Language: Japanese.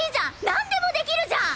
なんでもできるじゃん！